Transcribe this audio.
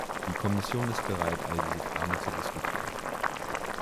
Die Kommission ist bereit, all diese Fragen zu diskutieren.